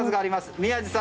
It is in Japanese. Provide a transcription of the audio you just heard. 宮司さん